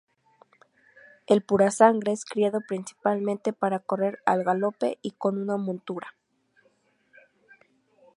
El purasangre es criado principalmente para correr al galope y con una montura.